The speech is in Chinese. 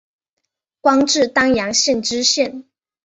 官至丹阳县知县。